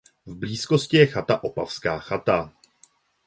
V blízkosti je chata Opavská chata.